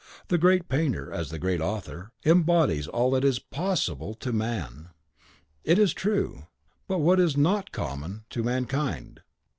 The great painter, as the great author, embodies what is POSSIBLE to MAN, it is true, but what is not COMMON to MANKIND.